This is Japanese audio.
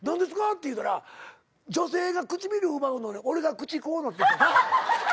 って言うたら女性が唇奪うのに俺が口こうなってた。